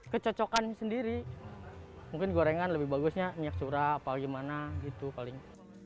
kecocokan sendiri mungkin gorengan lebih bagusnya minyak curah apa gimana gitu paling